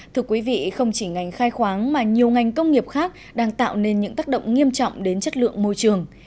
thưa quý vị không chỉ ngành khai khoáng mà nhiều ngành công nghiệp khác đang tạo nên những tác động nghiêm trọng đến chất lượng môi trường